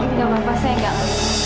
ini udah apa apa sayang